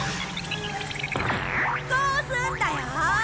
こうすんだよ。